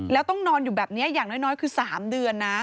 แล้วต้องนอนอยู่แบบนี้อย่างน้อยคือ๓เดือนนะ